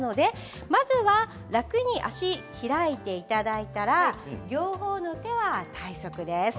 まずは楽に足を開いていただいたら両方の、手は体側です。